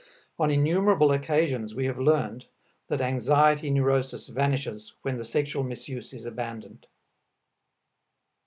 On innumerable occasions we have learned that anxiety neurosis vanishes when the sexual misuse is abandoned.